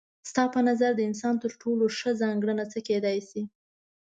ستا په نظر د انسان تر ټولو ښه ځانګړنه څه کيدای شي؟